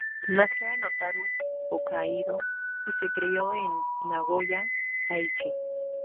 Nació en Otaru, Hokkaidō, y se crio en Nagoya, Aichi.